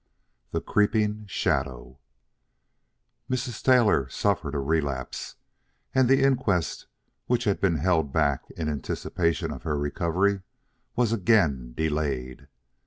XXX THE CREEPING SHADOW Mrs. Taylor suffered a relapse, and the inquest which had been held back in anticipation of her recovery was again delayed.